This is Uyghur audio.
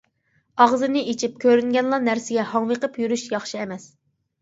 ئاغزىنى ئېچىپ، كۆرۈنگەنلا نەرسىگە ھاڭۋېقىپ يۈرۈش ياخشى ئەمەس.